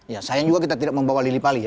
ya sayang juga kita tidak membawa lili pali